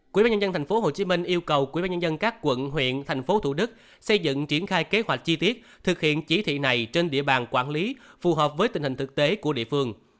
quỹ ban nhân dân tp hcm yêu cầu quỹ ban nhân dân các quận huyện thành phố thủ đức xây dựng triển khai kế hoạch chi tiết thực hiện chỉ thị này trên địa bàn quản lý phù hợp với tình hình thực tế của địa phương